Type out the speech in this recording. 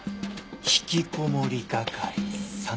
ひきこもり係さん。